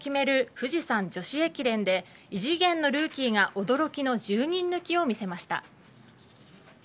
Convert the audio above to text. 富士山女子駅伝で異次元のルーキーが驚きの１０人抜きを見せました。